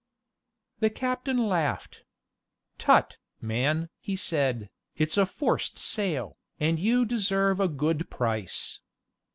The captain laughed. "Tut, man!" he said, "it's a forced sale, and you deserve a good price.